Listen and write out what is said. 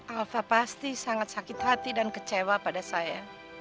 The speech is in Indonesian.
alfa pasti sangat sakit hati dan kecewa pada saya